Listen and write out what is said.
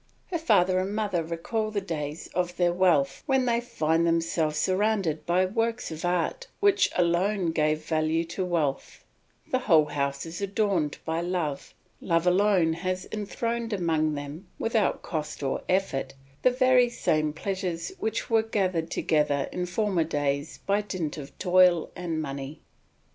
Her father and mother recall the days of their wealth, when they find themselves surrounded by the works of art which alone gave value to wealth; the whole house is adorned by love; love alone has enthroned among them, without cost or effort, the very same pleasures which were gathered together in former days by dint of toil and money.